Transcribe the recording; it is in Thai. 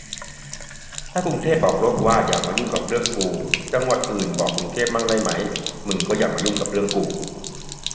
ถ้ากรุงเทพบอกโลกว่า อย่ามายุ่งเรื่องกู จังหวัดอื่นบอกกรุงเทพมั่งได้ไหม มึงก็อย่ามายุ่งเรื่องกู